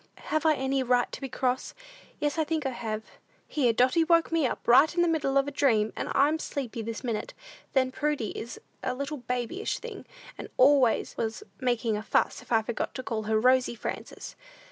"Have I any right to be cross? Yes, I think I have. Here Dotty woke me up, right in the middle of a dream, and I'm sleepy this minute. Then Prudy is a little babyish thing, and always was making a fuss if I forget to call her Rosy Frances!